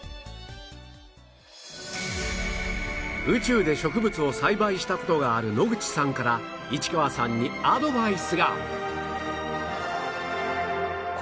宇宙で植物を栽培した事がある野口さんから市川さんにアドバイスが